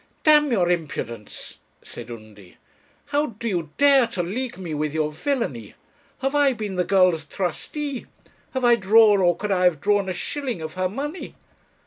'D your impudence!' said Undy; 'how do you dare to league me with your villany? Have I been the girl's trustee? have I drawn, or could I have drawn, a shilling of her money?